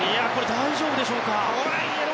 大丈夫でしょうか？